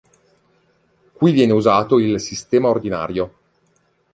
Qui viene usato il "sistema ordinario".